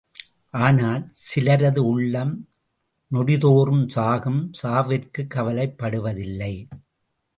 ஆனால் சிலரது உள்ளம் நொடிதோறும் சாகும் சாவிற்குக் கவலைப் படுவதில்லை.